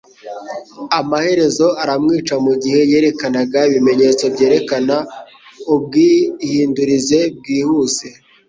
amaherezo aramwica mu gihe yerekanaga ibimenyetso byerekana ubwihindurize bwihuse